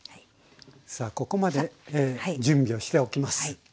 さあここまで準備をしておきますはい。